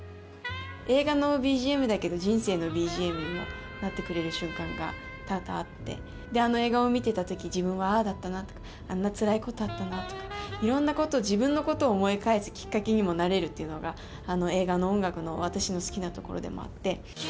映画のＢＧＭだけど、人生のＢＧＭにもなってくれる瞬間が多々あって、あの映画を見てたとき、自分はあーだったなとか、あんなつらいことあったなとか、いろんなこと、自分のことを思い返すきっかけにもなれるっていうのが、あの映画の音楽の私の好きなところでもあって。